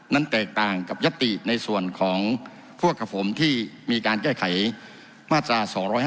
แตกต่างกับยัตติในส่วนของพวกกับผมที่มีการแก้ไขมาตรา๒๕๖